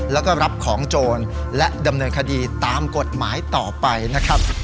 แล้วก็รับของโจรและดำเนินคดีตามกฎหมายต่อไปนะครับ